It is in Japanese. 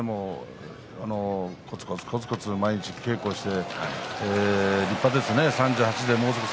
こつこつこつこつと毎日稽古して立派ですね